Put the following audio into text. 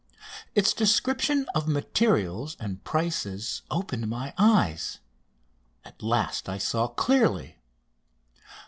Its description of materials and prices opened my eyes. At last I saw clearly.